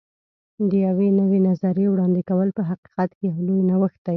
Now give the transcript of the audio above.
د یوې نوې نظریې وړاندې کول په حقیقت کې یو لوی نوښت دی.